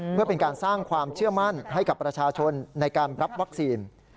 เพื่อเป็นการสร้างความเชื่อมั่นให้กับประชาชนในการรับวัคซีน